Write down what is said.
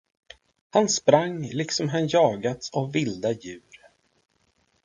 Han sprang, liksom han jagats av vilda djur.